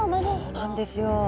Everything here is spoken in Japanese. そうなんですよ。